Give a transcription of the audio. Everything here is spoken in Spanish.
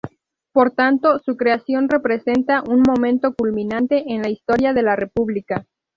Por tanto, su creación representa un momento culminante en la historia de la República.